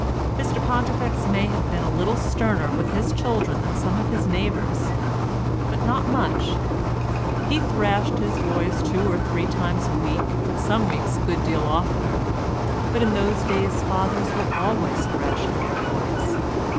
Mr Pontifex may have been a little sterner with his children than some of his neighbours, but not much. He thrashed his boys two or three times a week and some weeks a good deal oftener, but in those days fathers were always thrashing their boys.